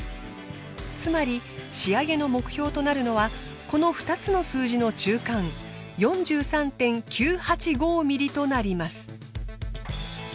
つまり仕上げの目標となるのはこの２つの数字の中間４３．９８５ｍｍとなります。